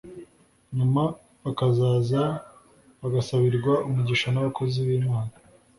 nyuma bakazaza bagasabirwa umugisha n’abakozi b’Imana